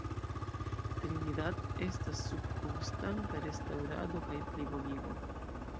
Trinidad estas sub konstanta restaŭrado kaj plibonigo.